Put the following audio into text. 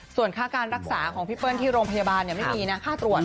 ส่วนค่าการรักษาของพี่เปิ้ลที่โรงพยาบาลไม่มีนะค่าตรวจ